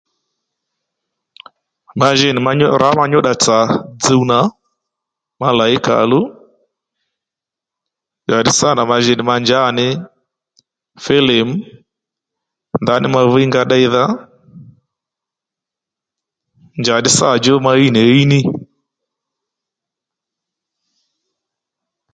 Mà ji nì ma nyú rǎ ma nyǔddà tsà dzuw nà ma làyí kà ò luw njàddí sâ nà ma ji nì ma nja ò ní filim ndaní ma wí nga ddéydha njàddí sâ djú ma ɦíy nì ɦíy ní